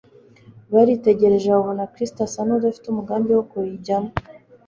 baritegereje babona Kristo asa n'udafite umugambi wo kuyijyamo.